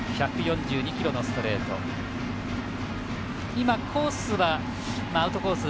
今、コースはアウトコース